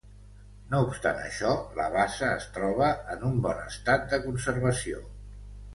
No obstant això, la bassa es troba en un bon estat de conservació.